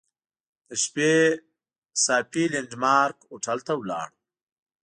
د شپې صافي لینډ مارک هوټل ته ولاړو.